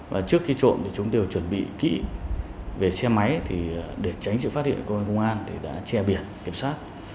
và trước khi trộm thì chúng đều chuẩn bị kỹ về xe máy thì để tránh sự phát hiện của công an thì đã che biển kiểm soát